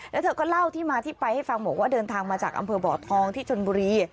แล้วเธอก็เล่าที่มาที่ไปให้ฟังบอกว่าเดินทางมาจากอำเภอบ่อทองที่ชนบุรี